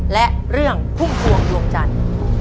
และเรื่องพุ่มพวงดวงจันทร์